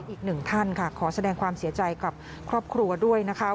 อีกหนึ่งท่านค่ะขอแสดงความเสียใจกับครอบครัวด้วยนะคะ